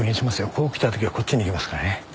こう来たときはこっちに逃げますからね。